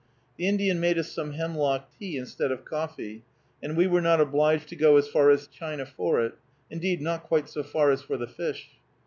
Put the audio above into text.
The Indian made us some hemlock tea instead of coffee, and we were not obliged to go as far as China for it; indeed, not quite so far as for the fish.